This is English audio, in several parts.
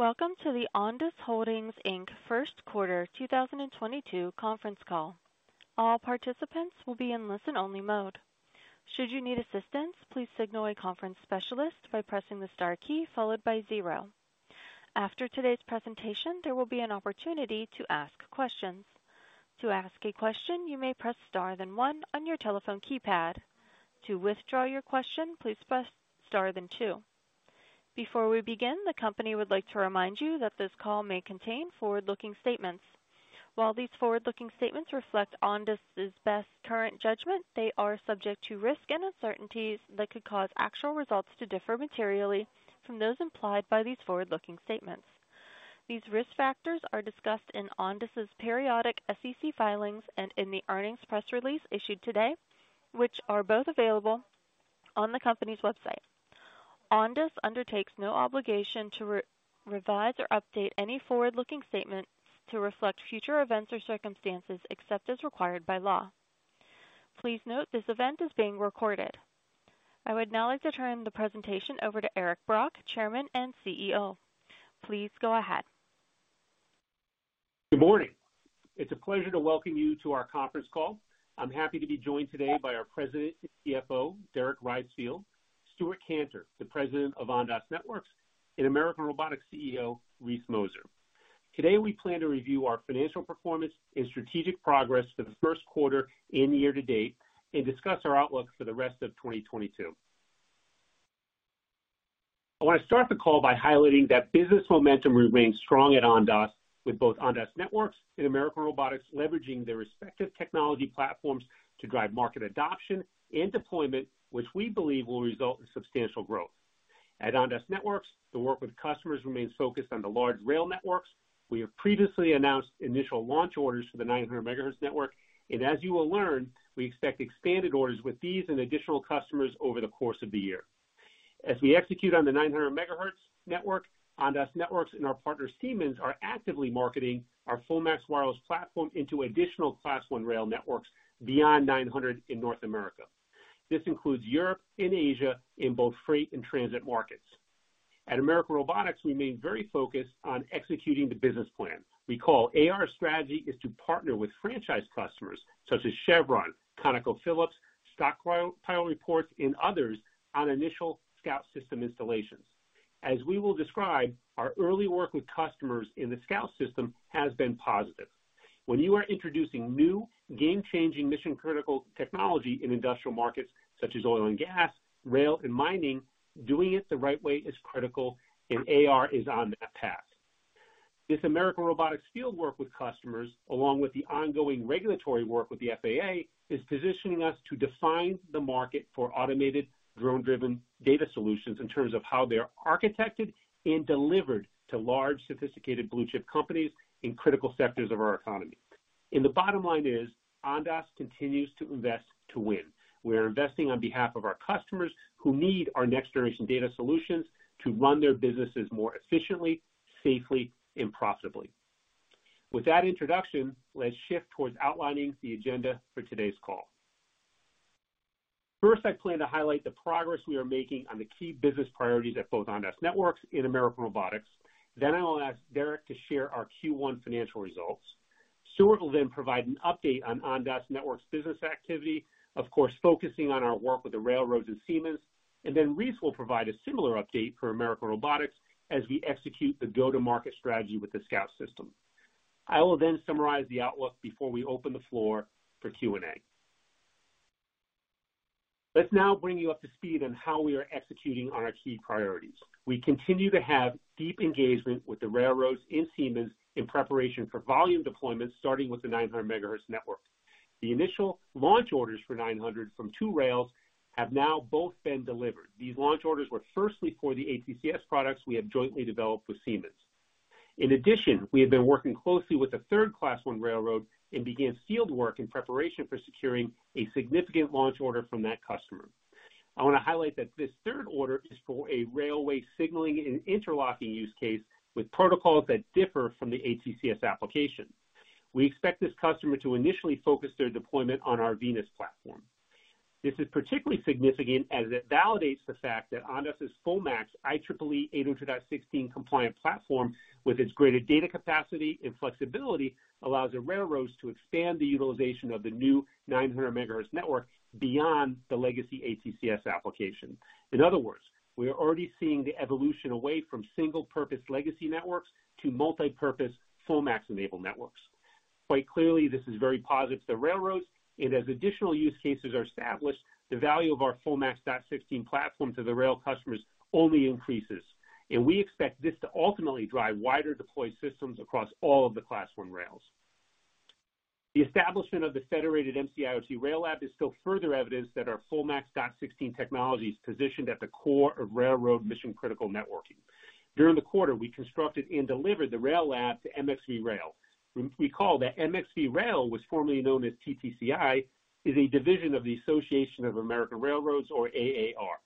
Welcome to the Ondas Holdings Inc. Q1 2022 conference call. All participants will be in listen-only mode. Should you need assistance, please signal a conference specialist by pressing the star key followed by zero. After today's presentation, there will be an opportunity to ask questions. To ask a question, you may press star then one on your telephone keypad. To withdraw your question, please press star then two. Before we begin, the company would like to remind you that this call may contain forward-looking statements. While these forward-looking statements reflect Ondas' best current judgment, they are subject to risks and uncertainties that could cause actual results to differ materially from those implied by these forward-looking statements. These risk factors are discussed in Ondas' periodic SEC filings and in the earnings press release issued today, which are both available on the company's website. Ondas undertakes no obligation to revise or update any forward-looking statement to reflect future events or circumstances except as required by law. Please note this event is being recorded. I would now like to turn the presentation over to Eric Brock, Chairman and CEO. Please go ahead. Good morning. It's a pleasure to welcome you to our conference call. I'm happy to be joined today by our President and CFO, Derek Reisfield, Stewart Kantor, the President of Ondas Networks, and American Robotics CEO, Reese Mozer. Today, we plan to review our financial performance and strategic progress for the Q1 and year-to-date and discuss our outlook for the rest of 2022. I want to start the call by highlighting that business momentum remains strong at Ondas, with both Ondas Networks and American Robotics leveraging their respective technology platforms to drive market adoption and deployment, which we believe will result in substantial growth. At Ondas Networks, the work with customers remains focused on the large rail networks. We have previously announced initial launch orders for the 900 MHz network, and as you will learn, we expect expanded orders with these and additional customers over the course of the year. As we execute on the 900 MHz network, Ondas Networks and our partner, Siemens, are actively marketing our FullMAX wireless platform into additional Class I rail networks beyond 900 MHz in North America. This includes Europe and Asia in both freight and transit markets. At American Robotics, we remain very focused on executing the business plan. Recall AR strategy is to partner with franchise customers such as Chevron, ConocoPhillips, Stockpile Reports, and others on initial Scout System installations. As we will describe, our early work with customers in the Scout System has been positive. When you are introducing new game-changing mission-critical technology in industrial markets such as oil and gas, rail, and mining, doing it the right way is critical and AR is on that path. This American Robotics field work with customers, along with the ongoing regulatory work with the FAA, is positioning us to define the market for automated drone-driven data solutions in terms of how they're architected and delivered to large sophisticated blue-chip companies in critical sectors of our economy. The bottom line is Ondas continues to invest to win. We're investing on behalf of our customers who need our next-generation data solutions to run their businesses more efficiently, safely, and profitably. With that introduction, let's shift towards outlining the agenda for today's call. First, I plan to highlight the progress we are making on the key business priorities at both Ondas Networks and American Robotics. I will ask Derek to share our Q1 financial results. Stewart will then provide an update on Ondas Networks business activity, of course, focusing on our work with the railroads and Siemens. Reese will provide a similar update for American Robotics as we execute the go-to-market strategy with the Scout System. I will then summarize the outlook before we open the floor for Q&A. Let's now bring you up to speed on how we are executing on our key priorities. We continue to have deep engagement with the railroads and Siemens in preparation for volume deployments, starting with the 900 MHz network. The initial launch orders for 900 MHz from two rails have now both been delivered. These launch orders were firstly for the ATCS products we have jointly developed with Siemens. In addition, we have been working closely with a third Class I railroad and began field work in preparation for securing a significant launch order from that customer. I want to highlight that this third order is for a railway signaling and interlocking use case with protocols that differ from the ATCS application. We expect this customer to initially focus their deployment on our Venus platform. This is particularly significant as it validates the fact that Ondas's FullMAX IEEE 802.16 compliant platform, with its greater data capacity and flexibility, allows the railroads to expand the utilization of the new 900 MHz network beyond the legacy ATCS application. In other words, we are already seeing the evolution away from single-purpose legacy networks to multipurpose FullMAX-enabled networks. Quite clearly, this is very positive to railroads, and as additional use cases are established, the value of our FullMAX 802.16 platform to the rail customers only increases. We expect this to ultimately drive wider deployed systems across all of the Class I rails. The establishment of the Federated MC-IoT Rail Lab is still further evidence that our FullMAX 802.16 technology is positioned at the core of railroad mission-critical networking. During the quarter, we constructed and delivered the rail lab to MxV Rail. We recall that MxV Rail was formerly known as TTCI, is a division of the Association of American Railroads or AAR.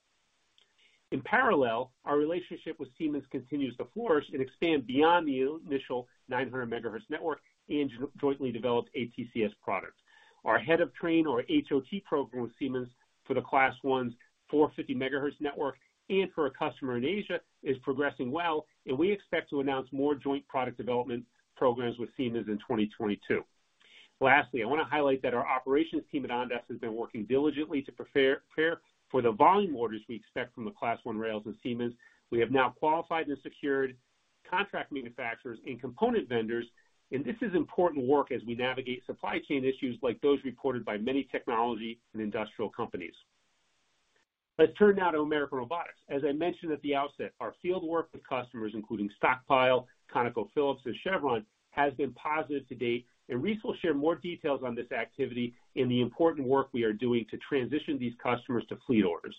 In parallel, our relationship with Siemens continues to flourish and expand beyond the initial 900 MHz network and jointly developed ATCS products. Our head of train or HOT program with Siemens for the Class I's 450 MHz network and for a customer in Asia is progressing well, and we expect to announce more joint product development programs with Siemens in 2022. Lastly, I wanna highlight that our operations team at Ondas has been working diligently to prepare for the volume orders we expect from the Class I rails and Siemens. We have now qualified and secured contract manufacturers and component vendors, and this is important work as we navigate supply chain issues like those reported by many technology and industrial companies. Let's turn now to American Robotics. As I mentioned at the outset, our field work with customers, including Stockpile, ConocoPhillips, and Chevron, has been positive to date, and Reese will share more details on this activity and the important work we are doing to transition these customers to fleet orders.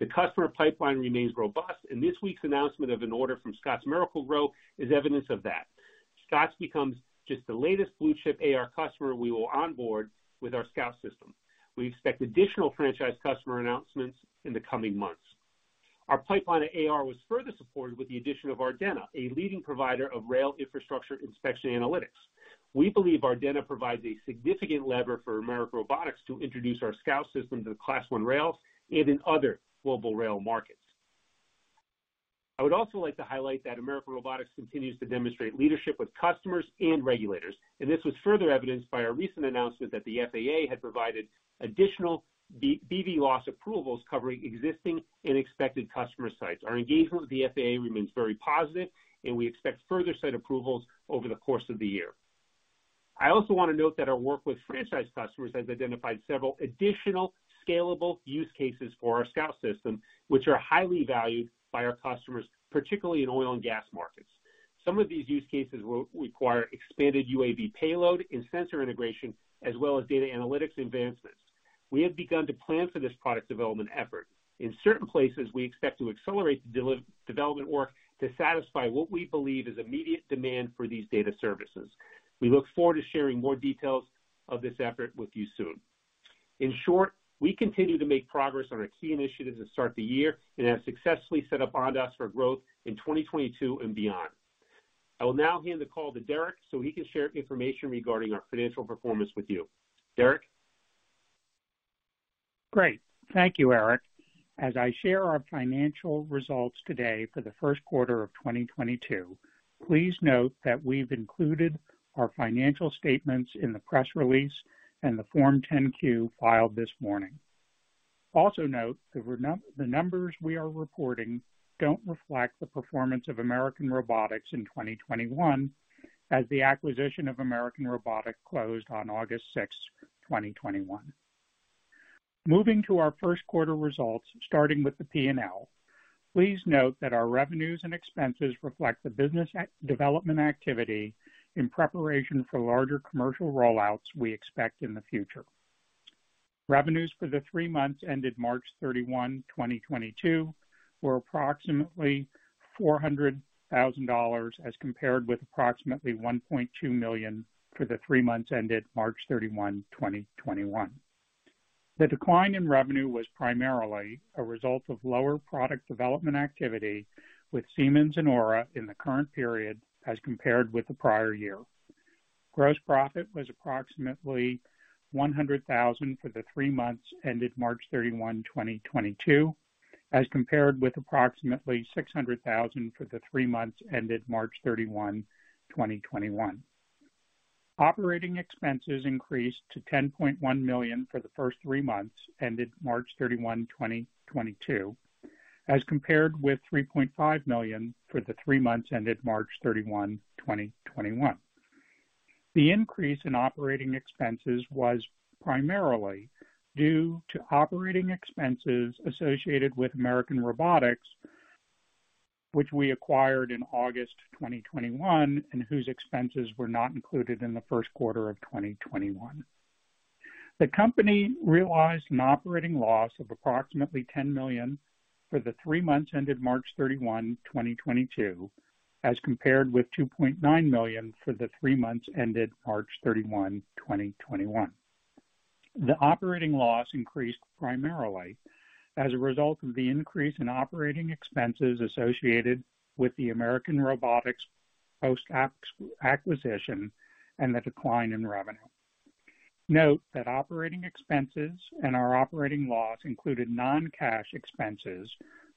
The customer pipeline remains robust, and this week's announcement of an order from ScottsMiracle-Gro is evidence of that. ScottsMiracle-Gro becomes just the latest blue-chip AR customer we will onboard with our Scout System. We expect additional franchise customer announcements in the coming months. Our pipeline at AR was further supported with the addition of Ardenna, a leading provider of rail infrastructure inspection analytics. We believe Ardenna provides a significant lever for American Robotics to introduce our Scout System to the Class I rails and in other global rail markets. I would also like to highlight that American Robotics continues to demonstrate leadership with customers and regulators, and this was further evidenced by our recent announcement that the FAA had provided additional BVLOS approvals covering existing and expected customer sites. Our engagement with the FAA remains very positive and we expect further site approvals over the course of the year. I also wanna note that our work with franchise customers has identified several additional scalable use cases for our Scout System, which are highly valued by our customers, particularly in oil and gas markets. Some of these use cases will require expanded UAV payload and sensor integration, as well as data analytics advancements. We have begun to plan for this product development effort. In certain places, we expect to accelerate the development work to satisfy what we believe is immediate demand for these data services. We look forward to sharing more details of this effort with you soon. In short, we continue to make progress on our key initiatives to start the year and have successfully set up Ondas for growth in 2022 and beyond. I will now hand the call to Derek so he can share information regarding our financial performance with you. Derek. Great. Thank you, Eric. As I share our financial results today for the Q1 of 2022, please note that we've included our financial statements in the press release and the Form 10-Q filed this morning. Also note the numbers we are reporting don't reflect the performance of American Robotics in 2021 as the acquisition of American Robotics closed on August 6, 2021. Moving to our Q1 results, starting with the P&L. Please note that our revenues and expenses reflect the business development activity in preparation for larger commercial rollouts we expect in the future. Revenues for the three months ended March 31, 2022 were approximately $400,000, as compared with approximately $1.2 million for the three months ended March 31, 2021. The decline in revenue was primarily a result of lower product development activity with Siemens and AAR in the current period as compared with the prior year. Gross profit was approximately $100,000 for the three months ended March 31, 2022, as compared with approximately $600,000 for the three months ended March 31, 2021. Operating expenses increased to $10.1 million for the first three months ended March 31, 2022, as compared with $3.5 million for the three months ended March 31, 2021. The increase in operating expenses was primarily due to operating expenses associated with American Robotics, which we acquired in August 2021, and whose expenses were not included in the Q1 of 2021. The company realized an operating loss of approximately $10 million for the three months ended March 31, 2022, as compared with $2.9 million for the three months ended March 31, 2021. The operating loss increased primarily as a result of the increase in operating expenses associated with the American Robotics post-acquisition and the decline in revenue. Note that operating expenses and our operating loss included non-cash expenses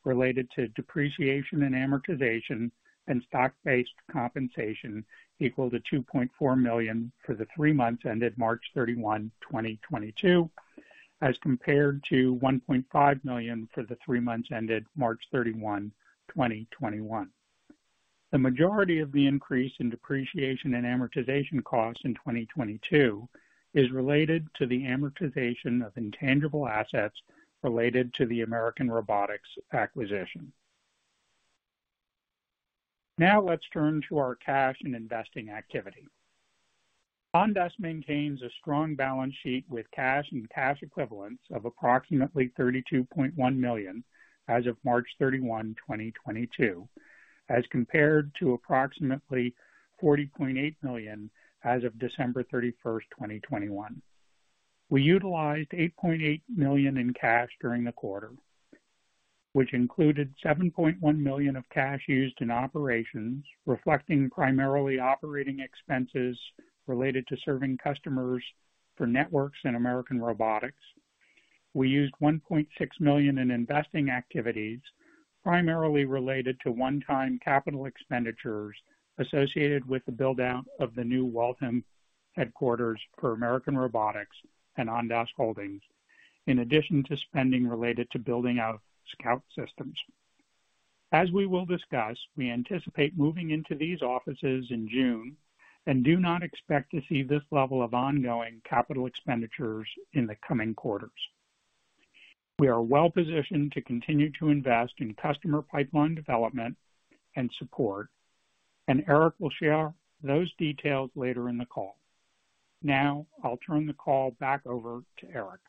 related to depreciation and amortization and stock-based compensation equal to $2.4 million for the three months ended March 31, 2022, as compared to $1.5 million for the three months ended March 31, 2021. The majority of the increase in depreciation and amortization costs in 2022 is related to the amortization of intangible assets related to the American Robotics acquisition. Now let's turn to our cash and investing activity. Ondas maintains a strong balance sheet with cash and cash equivalents of approximately $32.1 million as of March 31, 2022, as compared to approximately $40.8 million as of December 31, 2021. We utilized $8.8 million in cash during the quarter, which included $7.1 million of cash used in operations, reflecting primarily operating expenses related to serving customers for Ondas Networks and American Robotics. We used $1.6 million in investing activities primarily related to one-time capital expenditures associated with the build-out of the new Waltham headquarters for American Robotics and Ondas Holdings, in addition to spending related to building out Scout systems. As we will discuss, we anticipate moving into these offices in June and do not expect to see this level of ongoing capital expenditures in the coming quarters. We are well positioned to continue to invest in customer pipeline development and support, and Eric will share those details later in the call. Now I'll turn the call back over to Eric.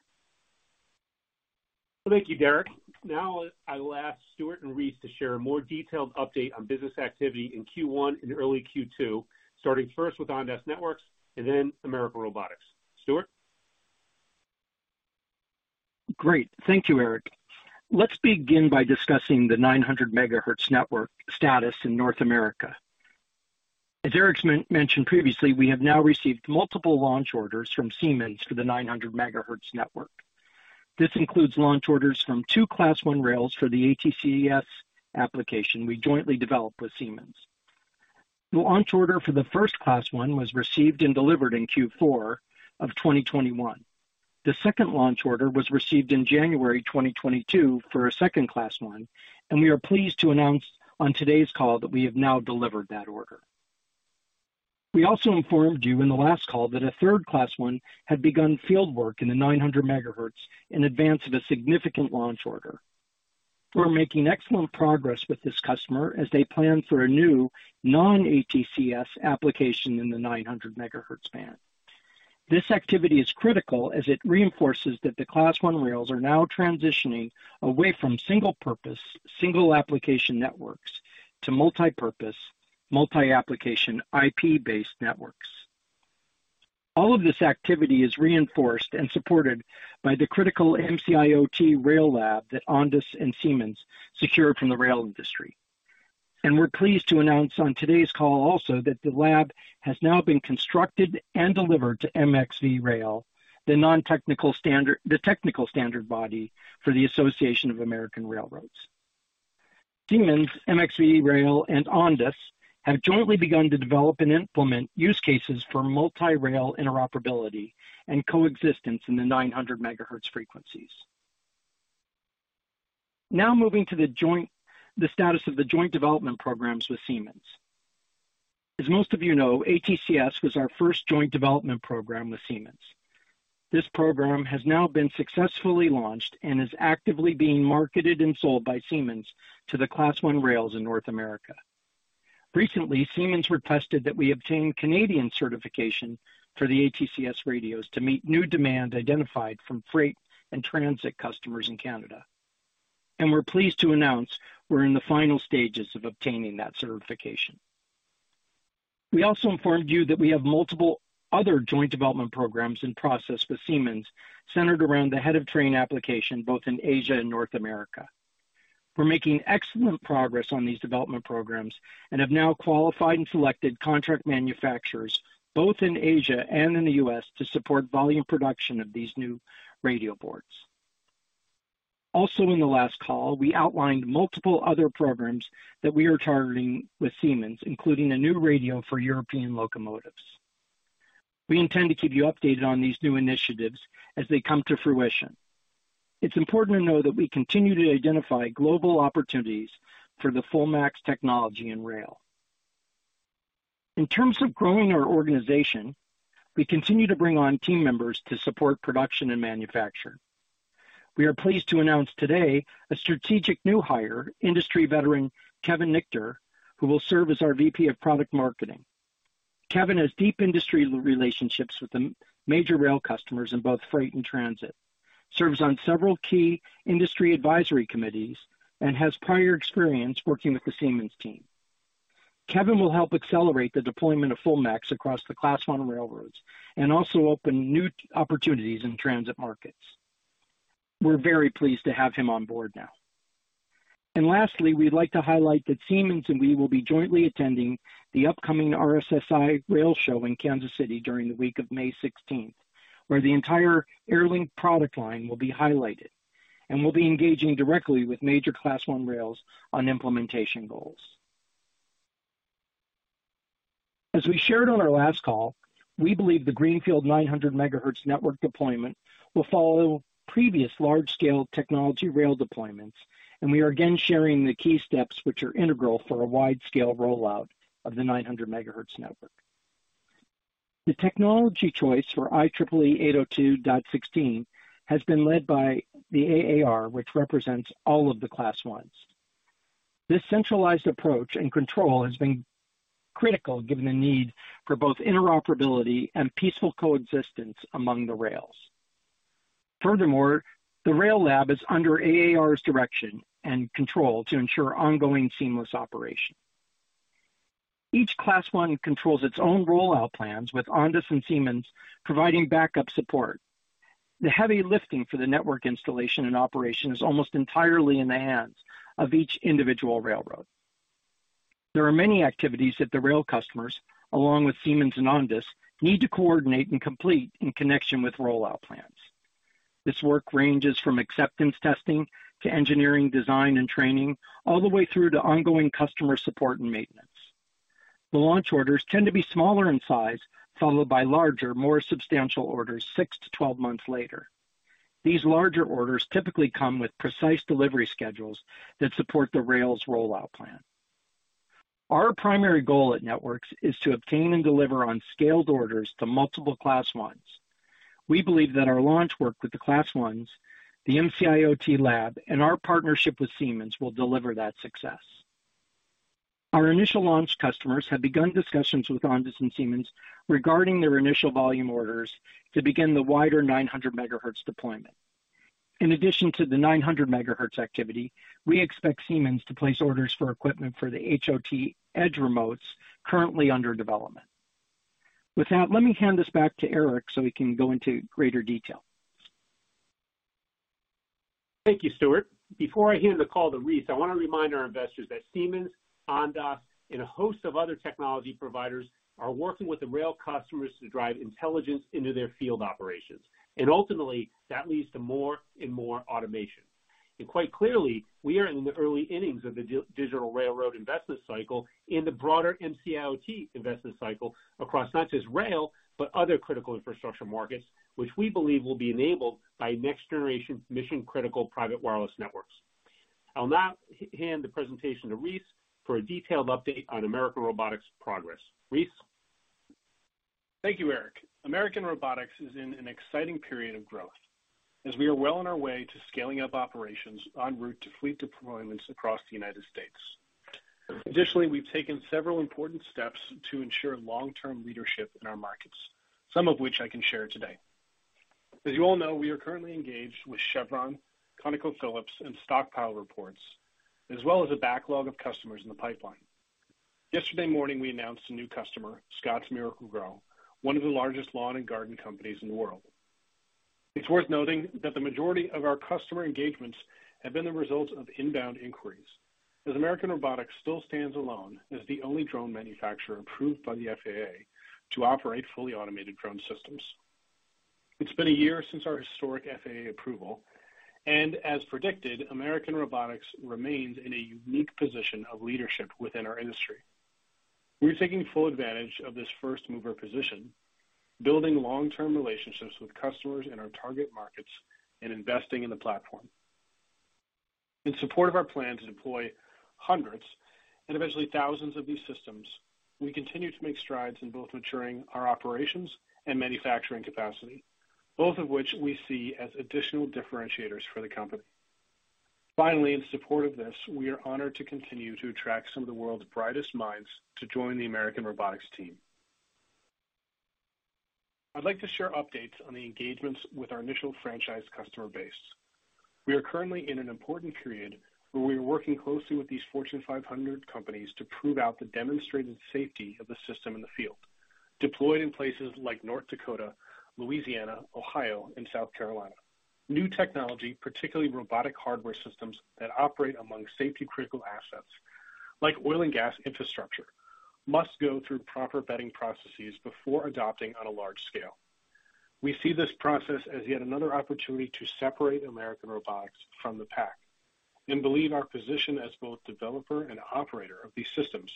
Thank you, Derek. Now I will ask Stewart and Reese to share a more detailed update on business activity in Q1 and early Q2, starting first with Ondas Networks and then American Robotics. Stewart? Great. Thank you. Eric. Let's begin by discussing the 900 MHz network status in North America. As Eric mentioned previously, we have now received multiple launch orders from Siemens for the 900 MHz network. This includes launch orders from two Class I rails for the ATCS application we jointly developed with Siemens. The launch order for the first Class I was received and delivered in Q4 of 2021. The second launch order was received in January 2022 for a second Class I, and we are pleased to announce on today's call that we have now delivered that order. We also informed you in the last call that a third Class I had begun field work in the 900 MHz in advance of a significant launch order. We're making excellent progress with this customer as they plan for a new non-ATCS application in the 900 MHz band. This activity is critical as it reinforces that the Class I rails are now transitioning away from single purpose, single application networks to multipurpose, multi-application IP-based networks. All of this activity is reinforced and supported by the critical MC-IoT rail lab that Ondas and Siemens secured from the rail industry. We're pleased to announce on today's call also that the lab has now been constructed and delivered to MxV Rail, the technical standard body for the Association of American Railroads. Siemens, MxV Rail and Ondas have jointly begun to develop and implement use cases for multi-rail interoperability and coexistence in the 900 MHz frequencies. Now moving to the status of the joint development programs with Siemens. As most of you know, ATCS was our first joint development program with Siemens. This program has now been successfully launched and is actively being marketed and sold by Siemens to the Class I rails in North America. Recently, Siemens requested that we obtain Canadian certification for the ATCS radios to meet new demand identified from freight and transit customers in Canada. We're pleased to announce we're in the final stages of obtaining that certification. We also informed you that we have multiple other joint development programs in process with Siemens centered around the head of train application both in Asia and North America. We're making excellent progress on these development programs and have now qualified and selected contract manufacturers both in Asia and in the U.S. to support volume production of these new radio boards. In the last call, we outlined multiple other programs that we are targeting with Siemens, including a new radio for European locomotives. We intend to keep you updated on these new initiatives as they come to fruition. It's important to know that we continue to identify global opportunities for the FullMAX technology in rail. In terms of growing our organization, we continue to bring on team members to support production and manufacturing. We are pleased to announce today a strategic new hire, industry veteran Kevin Nichter, who will serve as our VP of Product Marketing. Kevin has deep industry relationships with the major rail customers in both freight and transit, serves on several key industry advisory committees, and has prior experience working with the Siemens team. Kevin will help accelerate the deployment of FullMAX across the Class I railroads and also open new opportunities in transit markets. We're very pleased to have him on board now. Lastly, we'd like to highlight that Siemens and we will be jointly attending the upcoming RSSI rail show in Kansas City during the week of May 16, where the entire Airlink product line will be highlighted, and we'll be engaging directly with major Class I rails on implementation goals. As we shared on our last call, we believe the greenfield 900 MHz network deployment will follow previous large-scale technology rail deployments, and we are again sharing the key steps which are integral for a wide-scale rollout of the 900 MHz network. The technology choice for IEEE 802.16 has been led by the AAR, which represents all of the Class I railroads. This centralized approach and control has been critical given the need for both interoperability and peaceful coexistence among the railroads. Furthermore, the rail lab is under AAR's direction and control to ensure ongoing seamless operation. Each Class I controls its own rollout plans, with Ondas and Siemens providing backup support. The heavy lifting for the network installation and operation is almost entirely in the hands of each individual railroad. There are many activities that the rail customers, along with Siemens and Ondas, need to coordinate and complete in connection with rollout plans. This work ranges from acceptance testing to engineering, design, and training, all the way through to ongoing customer support and maintenance. The launch orders tend to be smaller in size, followed by larger, more substantial orders six-12 months later. These larger orders typically come with precise delivery schedules that support the rail's rollout plan. Our primary goal at Networks is to obtain and deliver on scaled orders to multiple Class I's. We believe that our launch work with the Class I, the MC-IoT lab, and our partnership with Siemens will deliver that success. Our initial launch customers have begun discussions with Ondas and Siemens regarding their initial volume orders to begin the wider 900 MHz deployment. In addition to the 900 MHz activity, we expect Siemens to place orders for equipment for the HOT edge remotes currently under development. With that, let me hand this back to Eric so he can go into greater detail. Thank you, Stewart. Before I hand the call to Reese, I want to remind our investors that Siemens, Ondas, and a host of other technology providers are working with the rail customers to drive intelligence into their field operations, and ultimately, that leads to more and more automation. Quite clearly, we are in the early innings of the digital railroad investment cycle in the broader MC-IoT investment cycle across not just rail, but other critical infrastructure markets, which we believe will be enabled by next generation mission-critical private wireless networks. I'll now hand the presentation to Reese for a detailed update on American Robotics progress. Reese? Thank you, Eric. American Robotics is in an exciting period of growth as we are well on our way to scaling up operations en route to fleet deployments across the United States. Additionally, we've taken several important steps to ensure long-term leadership in our markets, some of which I can share today. As you all know, we are currently engaged with Chevron, ConocoPhillips, and Stockpile Reports, as well as a backlog of customers in the pipeline. Yesterday morning, we announced a new customer, ScottsMiracle-Gro, one of the largest lawn and garden companies in the world. It's worth noting that the majority of our customer engagements have been the result of inbound inquiries, as American Robotics still stands alone as the only drone manufacturer approved by the FAA to operate fully automated drone systems. It's been a year since our historic FAA approval, and as predicted, American Robotics remains in a unique position of leadership within our industry. We're taking full advantage of this first-mover position, building long-term relationships with customers in our target markets and investing in the platform. In support of our plan to deploy hundreds and eventually thousands of these systems, we continue to make strides in both maturing our operations and manufacturing capacity, both of which we see as additional differentiators for the company. Finally, in support of this, we are honored to continue to attract some of the world's brightest minds to join the American Robotics team. I'd like to share updates on the engagements with our initial franchise customer base. We are currently in an important period where we are working closely with these Fortune 500 companies to prove out the demonstrated safety of the system in the field, deployed in places like North Dakota, Louisiana, Ohio, and South Carolina. New technology, particularly robotic hardware systems that operate among safety-critical assets like oil and gas infrastructure, must go through proper vetting processes before adopting on a large scale. We see this process as yet another opportunity to separate American Robotics from the pack and believe our position as both developer and operator of these systems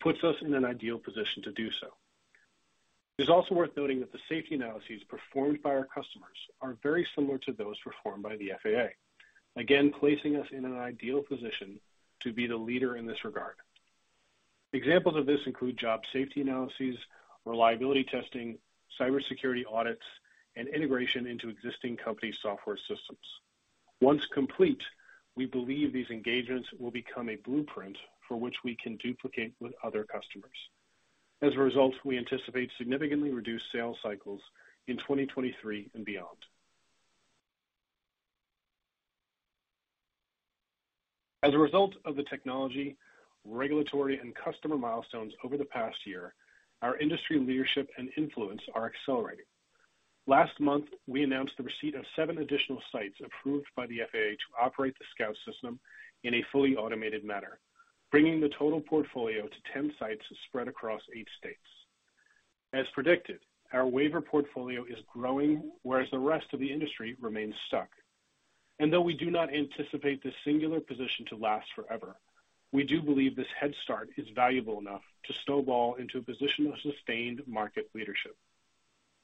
puts us in an ideal position to do so. It's also worth noting that the safety analyses performed by our customers are very similar to those performed by the FAA, again, placing us in an ideal position to be the leader in this regard. Examples of this include job safety analyses, reliability testing, cybersecurity audits, and integration into existing company software systems. Once complete, we believe these engagements will become a blueprint for which we can duplicate with other customers. As a result, we anticipate significantly reduced sales cycles in 2023 and beyond. As a result of the technology, regulatory, and customer milestones over the past year, our industry leadership and influence are accelerating. Last month, we announced the receipt of seven additional sites approved by the FAA to operate the Scout System in a fully automated manner, bringing the total portfolio to 10 sites spread across eight states. As predicted, our waiver portfolio is growing, whereas the rest of the industry remains stuck. Though we do not anticipate this singular position to last forever, we do believe this head start is valuable enough to snowball into a position of sustained market leadership.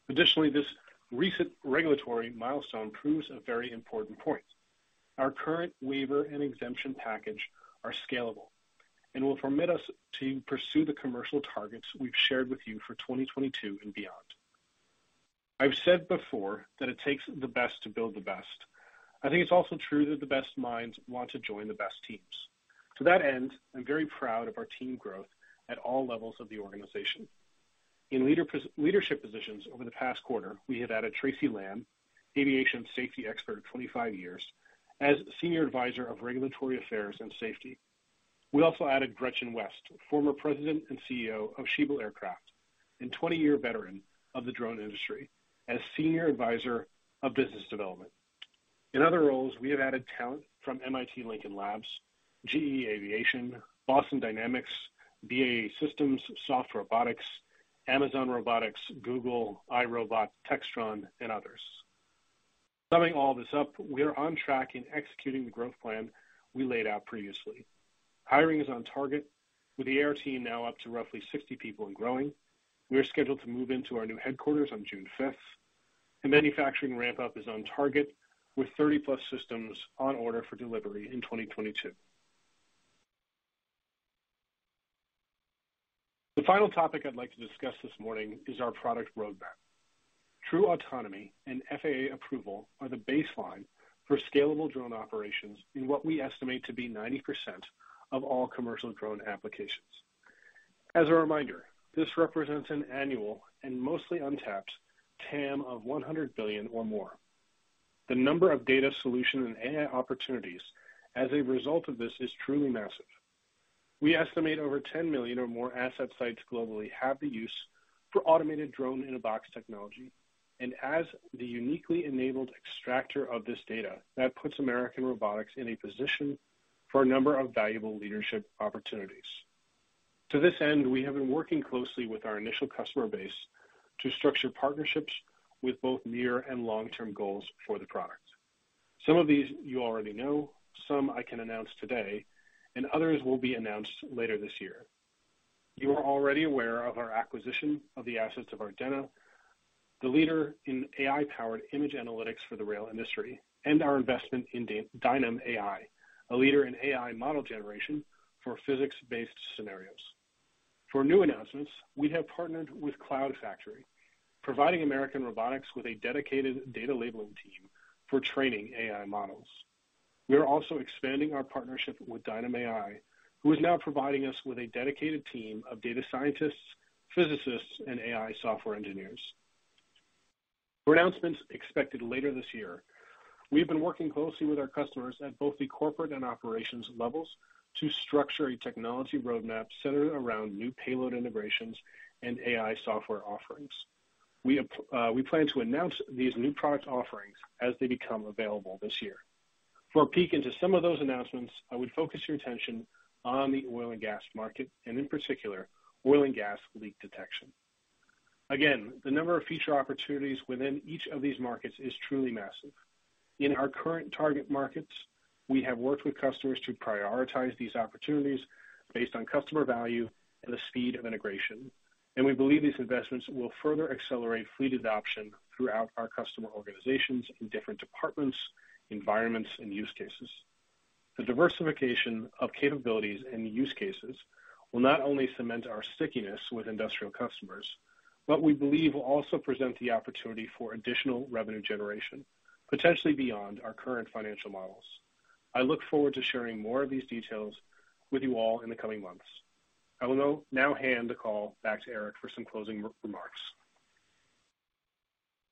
Additionally, this recent regulatory milestone proves a very important point. Our current waiver and exemption package are scalable and will permit us to pursue the commercial targets we've shared with you for 2022 and beyond. I've said before that it takes the best to build the best. I think it's also true that the best minds want to join the best teams. To that end, I'm very proud of our team growth at all levels of the organization. In leadership positions over the past quarter, we have added Tracy Lamb, aviation safety expert of 25 years, as Senior Advisor of Regulatory Affairs & Safety. We also added Gretchen West, former President and CEO of Schiebel Aircraft and 20-year veteran of the drone industry, as Senior Advisor of Business Development. In other roles, we have added talent from MIT Lincoln Laboratory, GE Aviation, Boston Dynamics, BAE Systems, Soft Robotics, Amazon Robotics, Google, iRobot, Textron, and others. Summing all this up, we are on track in executing the growth plan we laid out previously. Hiring is on target, with the AR team now up to roughly 60 people and growing. We are scheduled to move into our new headquarters on June fifth, and manufacturing ramp-up is on target, with 30+ systems on order for delivery in 2022. The final topic I'd like to discuss this morning is our product roadmap. True autonomy and FAA approval are the baseline for scalable drone operations in what we estimate to be 90% of all commercial drone applications. As a reminder, this represents an annual and mostly untapped TAM of $100 billion or more. The number of data solution and AI opportunities as a result of this is truly massive. We estimate over 10 million or more asset sites globally have the use for automated drone-in-a-box technology, and as the uniquely enabled extractor of this data, that puts American Robotics in a position for a number of valuable leadership opportunities. To this end, we have been working closely with our initial customer base to structure partnerships with both near and long-term goals for the product. Some of these you already know, some I can announce today, and others will be announced later this year. You are already aware of our acquisition of the assets of Ardenna, the leader in AI-powered image analytics for the rail industry, and our investment in DynamAI, a leader in AI model generation for physics-based scenarios. For new announcements, we have partnered with CloudFactory, providing American Robotics with a dedicated data labeling team for training AI models. We are also expanding our partnership with DynamAI, who is now providing us with a dedicated team of data scientists, physicists, and AI software engineers. For announcements expected later this year, we have been working closely with our customers at both the corporate and operations levels to structure a technology roadmap centered around new payload integrations and AI software offerings. We plan to announce these new product offerings as they become available this year. For a peek into some of those announcements, I would focus your attention on the oil and gas market and, in particular, oil and gas leak detection. Again, the number of feature opportunities within each of these markets is truly massive. In our current target markets, we have worked with customers to prioritize these opportunities based on customer value and the speed of integration, and we believe these investments will further accelerate fleet adoption throughout our customer organizations in different departments, environments, and use cases. The diversification of capabilities and use cases will not only cement our stickiness with industrial customers, but we believe will also present the opportunity for additional revenue generation, potentially beyond our current financial models. I look forward to sharing more of these details with you all in the coming months. I will now hand the call back to Eric for some closing remarks.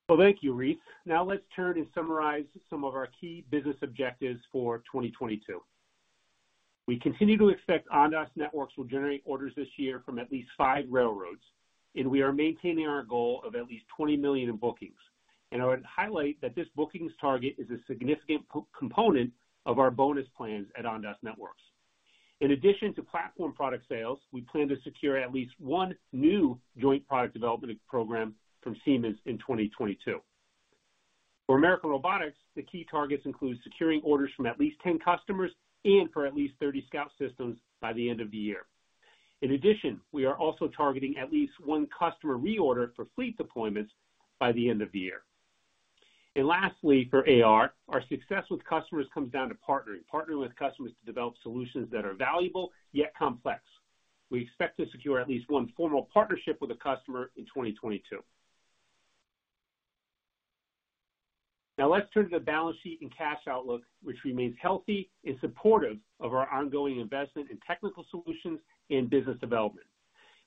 Well, thank you, Reese. Now let's turn and summarize some of our key business objectives for 2022. We continue to expect Ondas Networks will generate orders this year from at least five railroads, and we are maintaining our goal of at least $20 million in bookings. I would highlight that this bookings target is a significant key component of our bonus plans at Ondas Networks. In addition to platform product sales, we plan to secure at least 1 new joint product development program from Siemens in 2022. For American Robotics, the key targets include securing orders from at least 10 customers and for at least 30 Scout systems by the end of the year. In addition, we are also targeting at least customer reorder for fleet deployments by the end of the year. Lastly, for AR, our success with customers comes down to partnering with customers to develop solutions that are valuable yet complex. We expect to secure at least one formal partnership with a customer in 2022. Now let's turn to the balance sheet and cash outlook, which remains healthy and supportive of our ongoing investment in technical solutions and business development.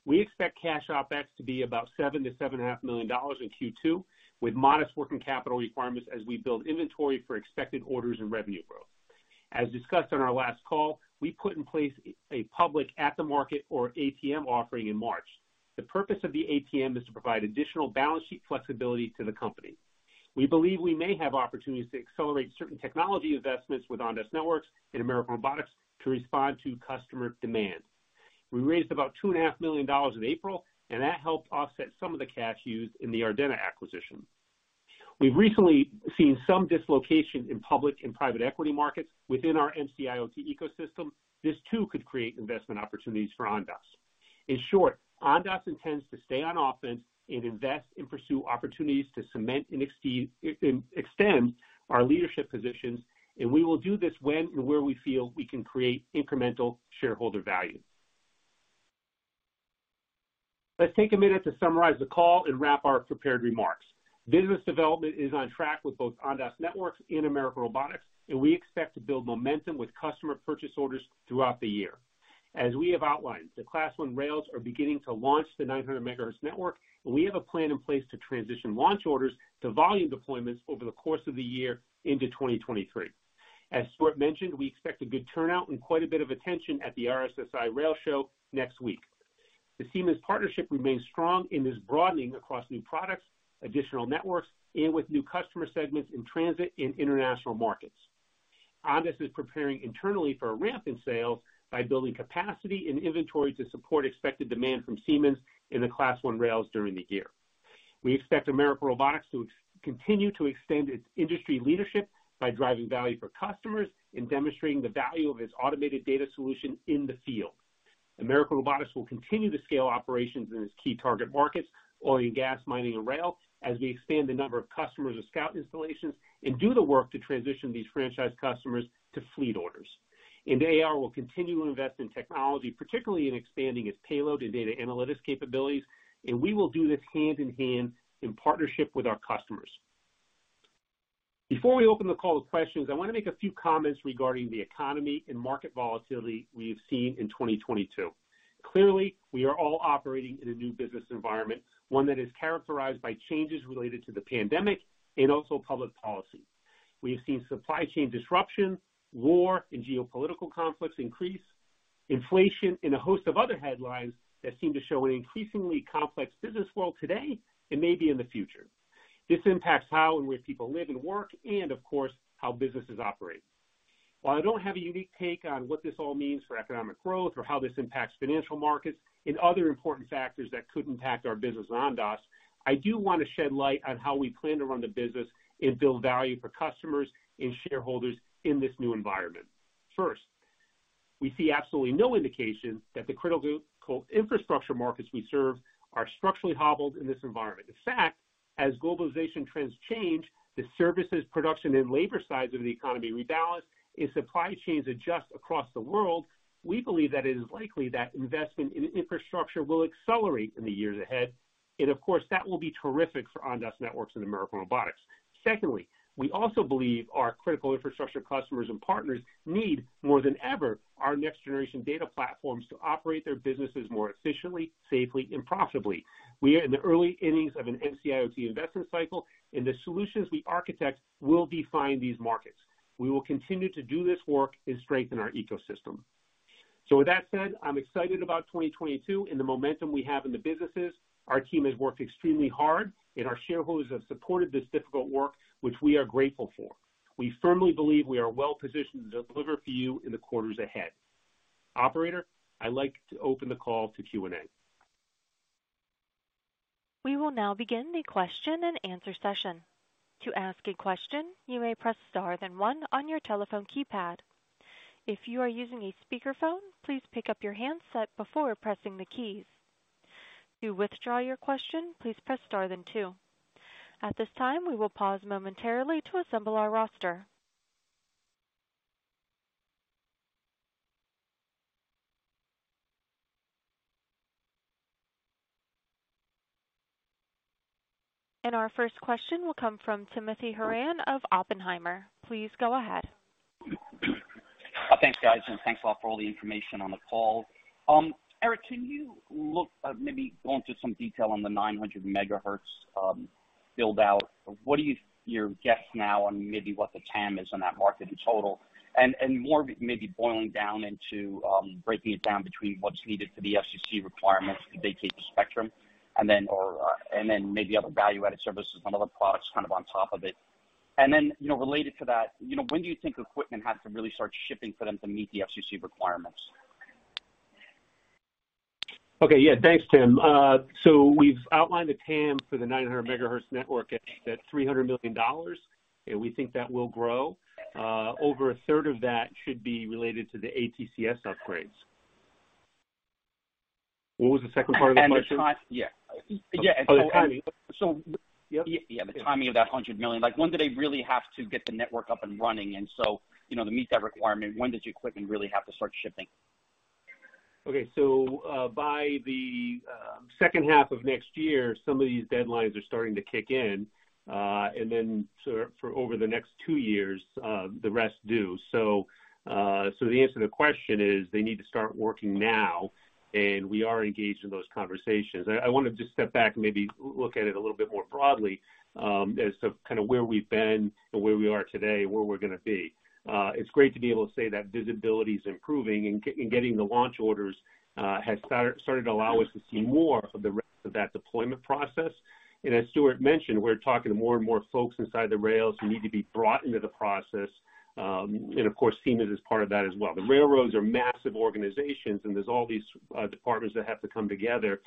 We expect cash OpEx to be about $7 million-$7.5 million in Q2, with modest working capital requirements as we build inventory for expected orders and revenue growth. As discussed on our last call, we put in place a public at the market or ATM offering in March. The purpose of the ATM is to provide additional balance sheet flexibility to the company. We believe we may have opportunities to accelerate certain technology investments with Ondas Networks and American Robotics to respond to customer demand. We raised about $2.5 million in April, and that helped offset some of the cash used in the Ardenna acquisition. We've recently seen some dislocation in public and private equity markets within our MC-IoT ecosystem. This too could create investment opportunities for Ondas. In short, Ondas intends to stay on offense and invest and pursue opportunities to cement and exceed, extend our leadership positions, and we will do this when and where we feel we can create incremental shareholder value. Let's take a minute to summarize the call and wrap our prepared remarks. Business development is on track with both Ondas Networks and American Robotics, and we expect to build momentum with customer purchase orders throughout the year. As we have outlined, the Class I rails are beginning to launch the 900 MHz network, and we have a plan in place to transition launch orders to volume deployments over the course of the year into 2023. As Stuart mentioned, we expect a good turnout and quite a bit of attention at the RSSI rail show next week. The Siemens partnership remains strong and is broadening across new products, additional networks, and with new customer segments in transit in international markets. Ondas is preparing internally for a ramp in sales by building capacity and inventory to support expected demand from Siemens in the Class I rails during the year. We expect American Robotics to continue to extend its industry leadership by driving value for customers and demonstrating the value of its automated data solution in the field. American Robotics will continue to scale operations in its key target markets, oil and gas, mining, and rail, as we expand the number of customers of Scout installations and do the work to transition these franchise customers to fleet orders. AR will continue to invest in technology, particularly in expanding its payload and data analytics capabilities, and we will do this hand in hand in partnership with our customers. Before we open the call to questions, I want to make a few comments regarding the economy and market volatility we have seen in 2022. Clearly, we are all operating in a new business environment, one that is characterized by changes related to the pandemic and also public policy. We have seen supply chain disruption, war and geopolitical conflicts increase, inflation and a host of other headlines that seem to show an increasingly complex business world today and maybe in the future. This impacts how and where people live and work and, of course, how businesses operate. While I don't have a unique take on what this all means for economic growth or how this impacts financial markets and other important factors that could impact our business at Ondas, I do want to shed light on how we plan to run the business and build value for customers and shareholders in this new environment. First, we see absolutely no indication that the critical infrastructure markets we serve are structurally hobbled in this environment. In fact, as globalization trends change, the services production and labor sides of the economy rebalance and supply chains adjust across the world, we believe that it is likely that investment in infrastructure will accelerate in the years ahead. Of course, that will be terrific for Ondas Networks and American Robotics. Secondly, we also believe our critical infrastructure customers and partners need more than ever our next generation data platforms to operate their businesses more efficiently, safely, and profitably. We are in the early innings of an MC-IoT investment cycle, and the solutions we architect will define these markets. We will continue to do this work and strengthen our ecosystem. With that said, I'm excited about 2022 and the momentum we have in the businesses. Our team has worked extremely hard, and our shareholders have supported this difficult work, which we are grateful for. We firmly believe we are well positioned to deliver for you in the quarters ahead. Operator, I'd like to open the call to Q&A. We will now begin the Q&A session. To ask a question, you may press Star then one on your telephone keypad. If you are using a speakerphone, please pick up your handset before pressing the keys. To withdraw your question, please press Star then two. At this time, we will pause momentarily to assemble our roster. Our first question will come from Timothy Horan of Oppenheimer. Please go ahead. Thanks, guys, and thanks a lot for all the information on the call. Eric, can you maybe go into some detail on the 900 MHz build out? What is your guess now on maybe what the TAM is on that market in total? More maybe boiling down into breaking it down between what's needed for the FCC requirements to vacate the spectrum and then maybe other value-added services and other products kind of on top of it. You know, related to that, you know, when do you think equipment has to really start shipping for them to meet the FCC requirements? Okay. Yeah. Thanks, Tim. We've outlined the TAM for the 900 MHz network at $300 million, and we think that will grow. Over a third of that should be related to the ATCS upgrades. What was the second part of the question? Yeah. Oh, the timing. So- Yep. Yeah, the timing of that $100 million. Like, when do they really have to get the network up and running? You know, to meet that requirement, when does your equipment really have to start shipping? Okay. By the H2 of next year, some of these deadlines are starting to kick in. For over the next two years, the rest due. The answer to the question is they need to start working now, and we are engaged in those conversations. I want to just step back and maybe look at it a little bit more broadly, as to kind of where we've been and where we are today and where we're gonna be. It's great to be able to say that visibility is improving and getting the launch orders has started to allow us to see more of the rest of that deployment process. As Stewart mentioned, we're talking to more and more folks inside the rails who need to be brought into the process. Of course, Siemens is part of that as well. The railroads are massive organizations, and there's all these departments that have to come together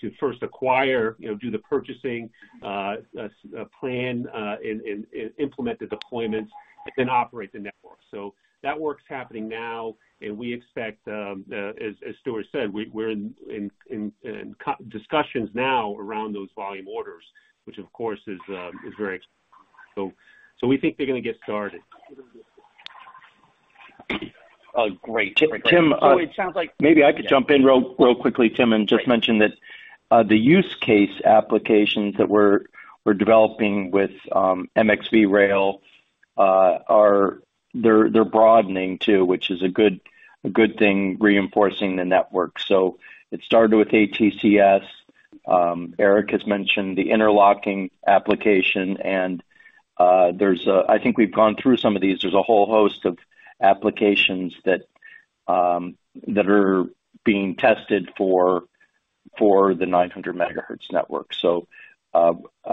to first acquire, you know, do the purchasing, plan, and implement the deployments and operate the network. That work's happening now, and we expect, as Stewart said, we're in discussions now around those volume orders, which of course is very exciting. We think they're gonna get started. Great. Tim, It sounds like. Maybe I could jump in real quickly, Tim, and just mention that, the use case applications that we're developing with MxV Rail are—they're broadening too, which is a good thing reinforcing the network. It started with ATCS. Eric has mentioned the interlocking application, and I think we've gone through some of these. There's a whole host of applications that are being tested for the 900 MHz network.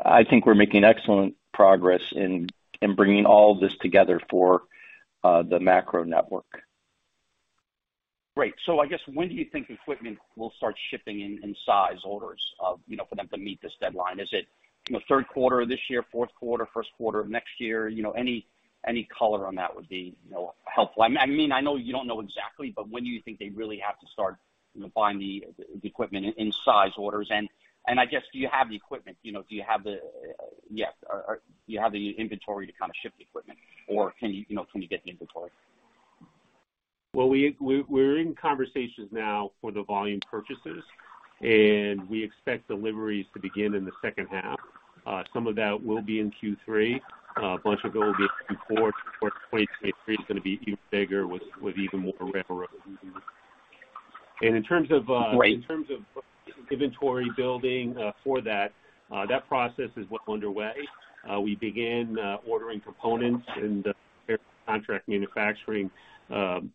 I think we're making excellent progress in bringing all this together for the macro network. Great. I guess when do you think equipment will start shipping in size orders, you know, for them to meet this deadline? Is it, you know, Q3 of this year, Q4, Q1 of next year? You know, any color on that would be, you know, helpful. I mean, I know you don't know exactly, but when do you think they really have to start, you know, buying the equipment in size orders? I guess, do you have the equipment? You know, do you have the Yes. Or do you have the inventory to kind of ship the equipment? Or can you know, can you get the inventory? We're in conversations now for the volume purchases, and we expect deliveries to begin in the H2. Some of that will be in Q3. A bunch of it will be in Q4. Q3 is gonna be even bigger with even more railroads. Great. In terms of inventory building, for that process is well underway. We began ordering components and contract manufacturing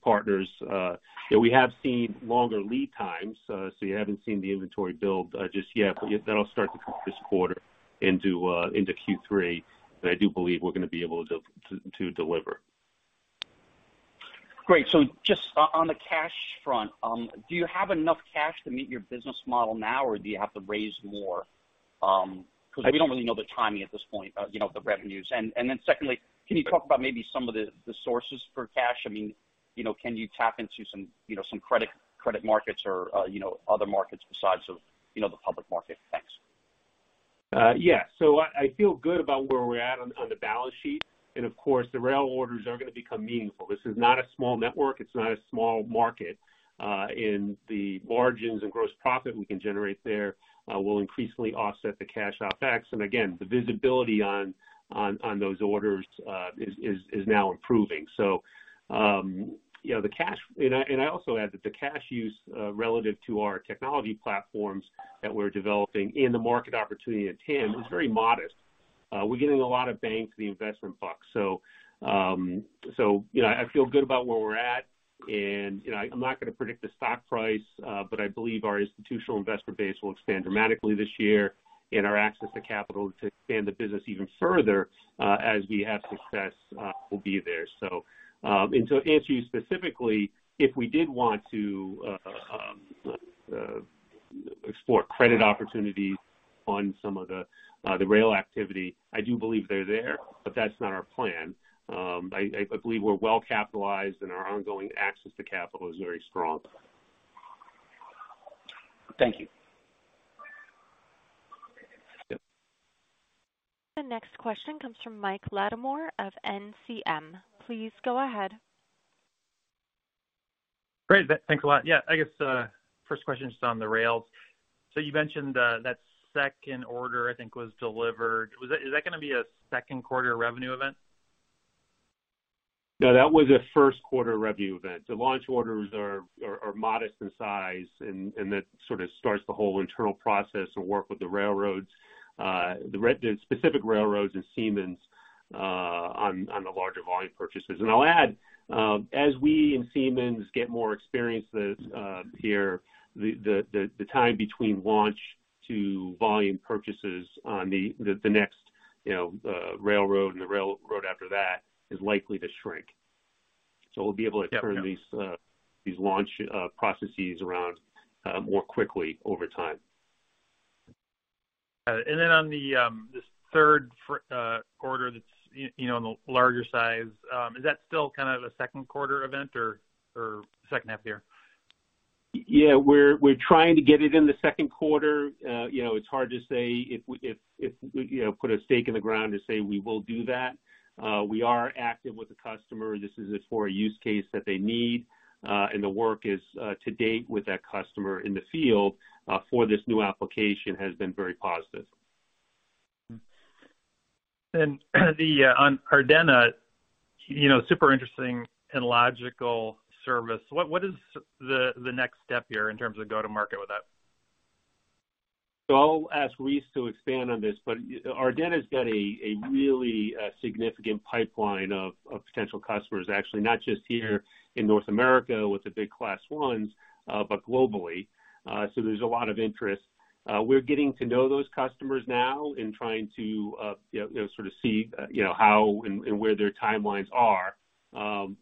partners. You know, we have seen longer lead times, so you haven't seen the inventory build just yet. That'll start to come this quarter into Q3, but I do believe we're gonna be able to deliver. Great. Just on the cash front, do you have enough cash to meet your business model now, or do you have to raise more? 'Cause we don't really know the timing at this point, you know, the revenues. Secondly, can you talk about maybe some of the sources for cash? I mean, you know, can you tap into some credit markets or, you know, other markets besides of the public market? Thanks. Yeah, I feel good about where we're at on the balance sheet. Of course, the rail orders are gonna become meaningful. This is not a small network, it's not a small market. The margins and gross profit we can generate there will increasingly offset the cash outflows. Again, the visibility on those orders is now improving. You know, I also add that the cash use relative to our technology platforms that we're developing and the market opportunity at hand is very modest. We're getting a lot of bang for the investment buck. You know, I feel good about where we're at. You know, I'm not gonna predict the stock price, but I believe our institutional investor base will expand dramatically this year, and our access to capital to expand the business even further, as we have success, will be there. To answer you specifically, if we did want to explore credit opportunities on some of the rail activity, I do believe they're there, but that's not our plan. I believe we're well capitalized and our ongoing access to capital is very strong. Thank you. Yep. The next question comes from Mike Latimore of NCM. Please go ahead. Great. Thanks a lot. Yeah, I guess first question is just on the rails. You mentioned that second order, I think, was delivered. Is that gonna be a Q2 revenue event? No, that was a Q1 revenue event. The launch orders are modest in size and that sort of starts the whole internal process of work with the railroads. The specific railroads and Siemens on the larger volume purchases. I'll add, as we and Siemens get more experiences here, the time between launch to volume purchases on the next, you know, railroad and the railroad after that is likely to shrink. We'll be able to turn these. Yep. These launch processes run more quickly over time. Got it. On the this Q3 that's you know on the larger size, is that still kind of a Q2 event or H2 year? Yeah. We're trying to get it in the Q2. You know, it's hard to say if we put a stake in the ground to say we will do that. We are active with the customer. This is for a use case that they need, and the work to date with that customer in the field for this new application has been very positive. The on Ardenna, you know, super interesting and logical service. What is the next step here in terms of go to market with that? I'll ask Reese to expand on this, but Ardenna's got a really significant pipeline of potential customers, actually, not just here in North America with the big Class I's, but globally. There's a lot of interest. We're getting to know those customers now and trying to you know see you know how and where their timelines are.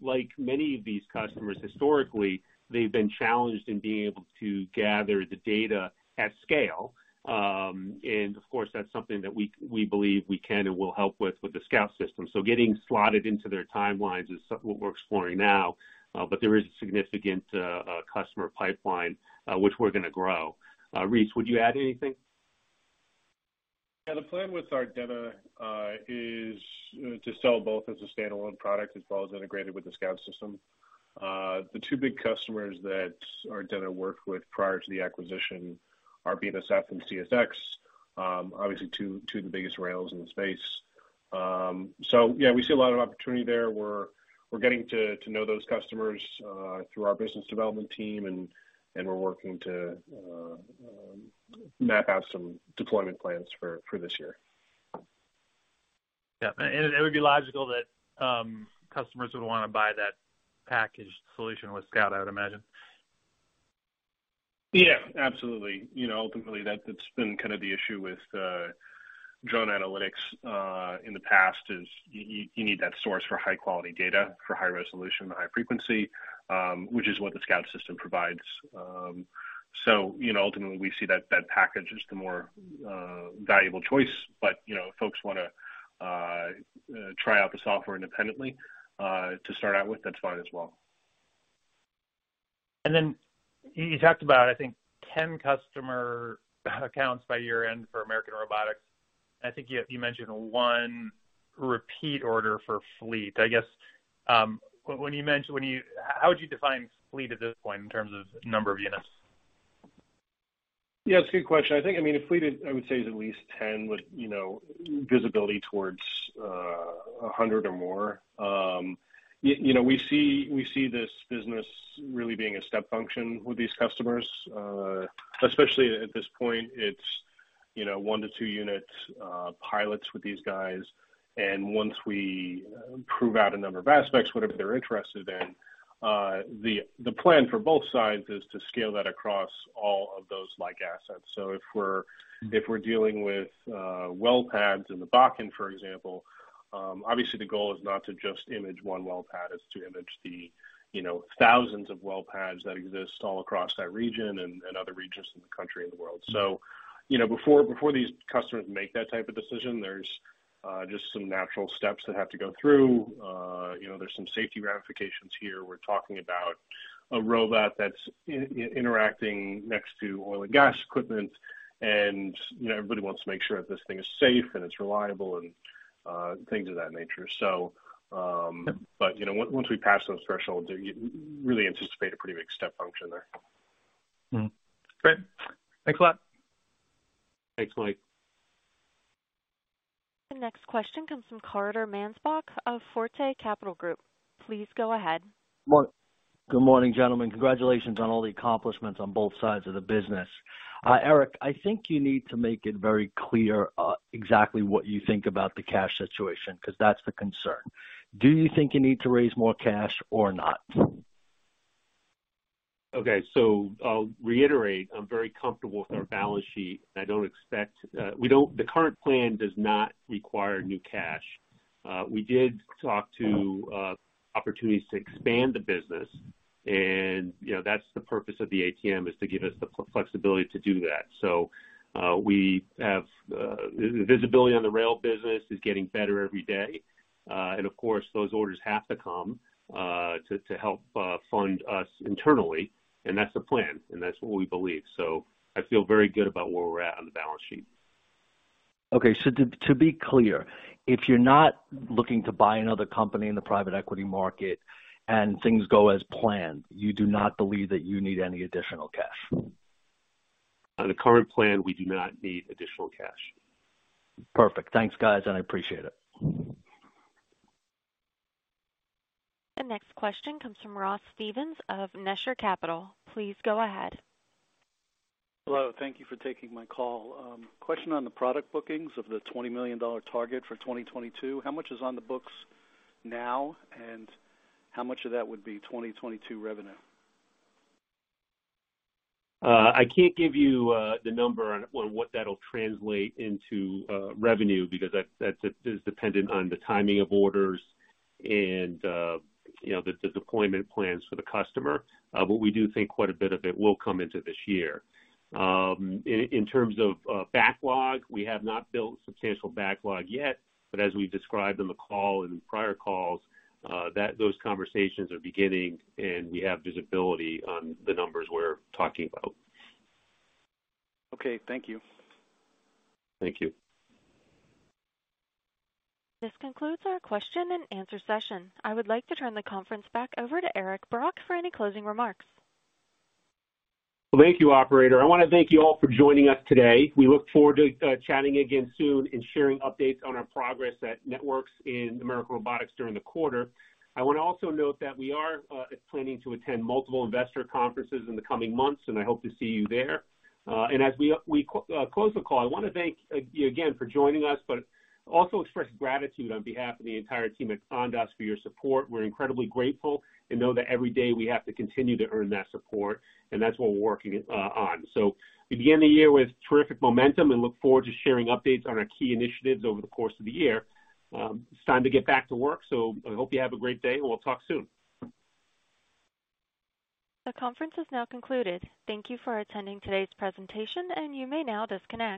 Like many of these customers, historically, they've been challenged in being able to gather the data at scale. Of course, that's something that we believe we can and will help with the Scout System. Getting slotted into their timelines is what we're exploring now. There is a significant customer pipeline which we're gonna grow. Reese, would you add anything? Yeah. The plan with Ardenna is to sell both as a standalone product as well as integrated with the Scout System. The two big customers that Ardenna worked with prior to the acquisition are BNSF and CSX. Obviously two of the biggest rails in the space. Yeah, we see a lot of opportunity there. We're getting to know those customers through our business development team, and we're working to map out some deployment plans for this year. Yeah. It would be logical that customers would wanna buy that packaged solution with Scout, I would imagine. Yeah, absolutely. You know, ultimately, that's been kind of the issue with drone analytics in the past, is you need that source for high quality data, for high resolution, high frequency, which is what the Scout System provides. You know, ultimately, we see that package is the more valuable choice. You know, if folks wanna try out the software independently to start out with, that's fine as well. You talked about, I think, 10 customer accounts by year-end for American Robotics. I think you mentioned one repeat order for fleet. I guess, how would you define fleet at this point in terms of number of units? Yeah, that's a good question. I think, I mean, a fleet, I would say is at least 10 with, you know, visibility towards, a hundred or more. You know, we see this business really being a step function with these customers. Especially at this point, it's, you know, 1-2 units, pilots with these guys. And once we prove out a number of aspects, whatever they're interested in, the plan for both sides is to scale that across all of those like assets. If we're dealing with well pads in the Bakken, for example, obviously the goal is not to just image one well pad, it's to image the, you know, thousands of well pads that exist all across that region and other regions in the country and the world. You know, before these customers make that type of decision, there's just some natural steps that have to go through. You know, there's some safety ramifications here. We're talking about a robot that's interacting next to oil and gas equipment. You know, everybody wants to make sure that this thing is safe and it's reliable and things of that nature. You know, once we pass those thresholds, you really anticipate a pretty big step function there. Mm-hmm. Great. Thanks a lot. Thanks, Mike. The next question comes from Carter Mansbach of Forte Capital Group. Please go ahead. Good morning, gentlemen. Congratulations on all the accomplishments on both sides of the business. Eric, I think you need to make it very clear, exactly what you think about the cash situation, 'cause that's the concern. Do you think you need to raise more cash or not? Okay. I'll reiterate, I'm very comfortable with our balance sheet, and the current plan does not require new cash. We did talk to opportunities to expand the business. You know, that's the purpose of the ATM, is to give us the flexibility to do that. We have visibility on the rail business is getting better every day. Of course, those orders have to come to help fund us internally. That's the plan, and that's what we believe. I feel very good about where we're at on the balance sheet. To be clear, if you're not looking to buy another company in the private equity market and things go as planned, you do not believe that you need any additional cash. On the current plan, we do not need additional cash. Perfect. Thanks, guys, and I appreciate it. The next question comes from Ross Stevens of Nesher Capital. Please go ahead. Hello. Thank you for taking my call. Question on the product bookings of the $20 million target for 2022. How much is on the books now, and how much of that would be 2022 revenue? I can't give you the number on what that'll translate into revenue because that is dependent on the timing of orders and, you know, the deployment plans for the customer. We do think quite a bit of it will come into this year. In terms of backlog, we have not built substantial backlog yet, but as we've described on the call and in prior calls, those conversations are beginning and we have visibility on the numbers we're talking about. Okay, thank you. Thank you. This concludes our Q&A session. I would like to turn the conference back over to Eric Brock for any closing remarks. Well, thank you, operator. I wanna thank you all for joining us today. We look forward to chatting again soon and sharing updates on our progress at Networks and American Robotics during the quarter. I wanna also note that we are planning to attend multiple investor conferences in the coming months, and I hope to see you there. And as we close the call, I wanna thank you again for joining us, but also express gratitude on behalf of the entire team at Ondas for your support. We're incredibly grateful and know that every day we have to continue to earn that support, and that's what we're working on. We begin the year with terrific momentum and look forward to sharing updates on our key initiatives over the course of the year. It's time to get back to work, so I hope you have a great day, and we'll talk soon. The conference is now concluded. Thank you for attending today's presentation, and you may now disconnect.